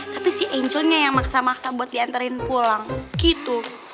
tapi si angelnya yang maksa maksa buat diantarin pulang gitu